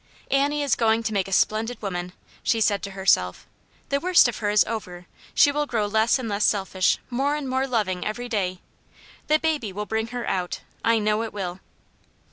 " Annie is going to make a splendid woman," she said to herself. " The worst of her is over, she will grow less and less selfish, more and more loving, every day: That baby will bring her out, I know it will."